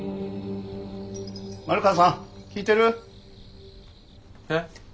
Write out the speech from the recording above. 丸川さん聞いてる？え？